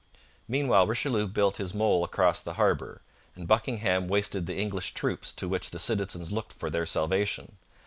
Meanwhile, Richelieu built his mole across the harbour, and Buckingham wasted the English troops to which the citizens looked for their salvation.